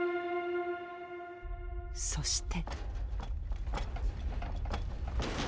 そして。